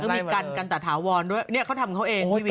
มีกันกันต่าถาวรด้วยนี่เขาทำเขาเองพี่เวีย